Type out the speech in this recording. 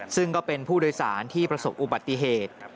ซึ่งก็เป็นผู้โดยสารที่ประสบอุบัติเหตุ